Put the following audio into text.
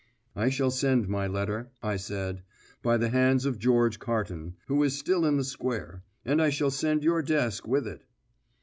"I shall send my letter," I said, "by the hands of George Carton, who is still in the square, and I shall send your desk with it."